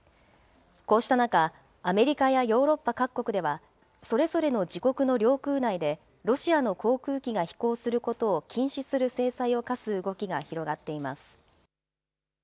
こうした中、アメリカやヨーロッパ各国では、それぞれの自国の領空内で、ロシアの航空機が飛行することを禁止する制裁を科す動きが広がっています。